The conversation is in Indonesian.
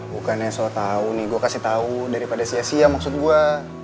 bukannya so tau nih gue kasih tau daripada sia sia maksud gue